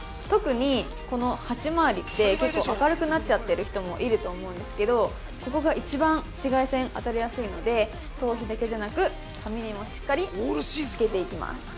特にこのハチまわりって、結構、明るくなっちゃってる人もいると思うんですけど、ここが一番紫外線、当たりやすいので頭皮だけじゃなく、髪にもしっかりつけていきます。